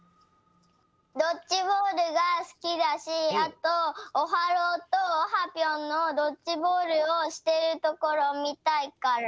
ドッジボールがすきだしあとオハローとオハぴょんのドッジボールをしてるところをみたいから。